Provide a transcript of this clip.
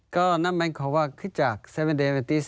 ก็นั่นหมายความว่าคริสตจักรเซเวนเดย์แอฟเมนติส